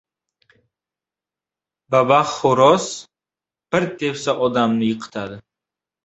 — Babax xo‘roz! Bir tepsa odamni yiqitadi!